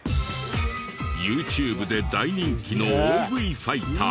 ＹｏｕＴｕｂｅで大人気の大食いファイター。